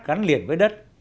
gắn liền với đất